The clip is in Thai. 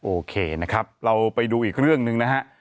โอเคนะครับเราไปดูอีกเรื่องหนึ่งนะฮะ